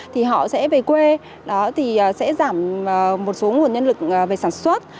thì họ sẽ về quê thì sẽ giảm một số nguồn nhân lực về sản xuất